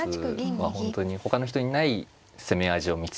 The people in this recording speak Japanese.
本当にほかの人にない攻め味を見つけたり。